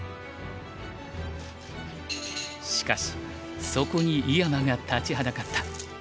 しかしそこに井山が立ちはだかった。